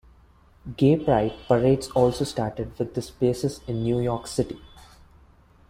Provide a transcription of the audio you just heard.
Gay Pride parades also started with this basis in New York City.